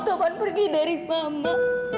taufan pergi dari mama